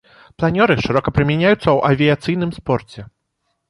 Планёры шырока прымяняюцца ў авіяцыйным спорце.